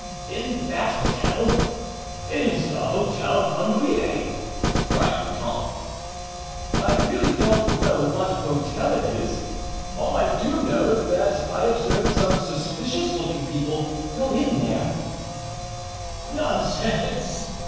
"In that hotel? it is the Hotel Rambouillet," cried Guitant. "I really don't know what hotel it is; all I do know is that I observed some suspicious looking people go in there——" "Nonsense!"